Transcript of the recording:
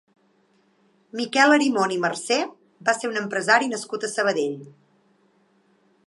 Miquel Arimon i Marcé va ser un empresari nascut a Sabadell.